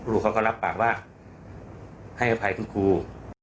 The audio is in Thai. เขาก็รับปากว่าให้อภัยคุณครู